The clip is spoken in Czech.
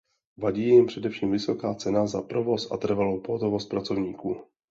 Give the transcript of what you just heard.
Vadí jim především vysoká cena za provoz a trvalou pohotovost pracovníků.